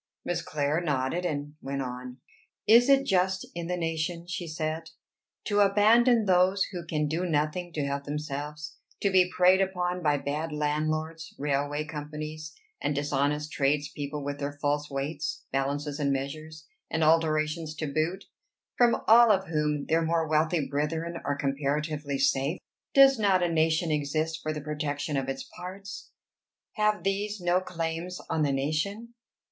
Miss Clare nodded, and went on. "Is it just in the nation," she said, "to abandon those who can do nothing to help themselves, to be preyed upon by bad landlords, railway companies, and dishonest trades people with their false weights, balances, and measures, and adulterations to boot, from all of whom their more wealthy brethren are comparatively safe? Does not a nation exist for the protection of its parts? Have these no claims on the nation?